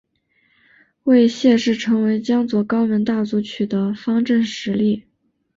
为谢氏成为江左高门大族取得方镇实力。